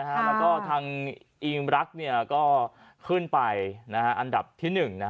แล้วก็ทางอีมรักก็ขึ้นไปอันดับที่๑